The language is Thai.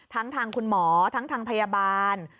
ทั้งทางคุณหมอทั้งทางพยาบาล